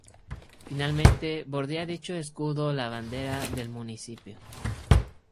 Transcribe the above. Finalmente, bordea dicho escudo la bandera del municipio.